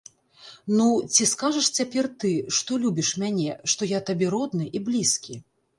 Ну, ці скажаш цяпер ты, што любіш мяне, што я табе родны і блізкі?